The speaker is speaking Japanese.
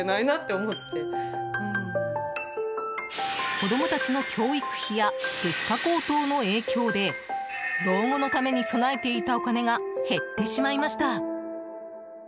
子供たちの教育費や物価高騰の影響で老後のために備えていたお金が減ってしまいました。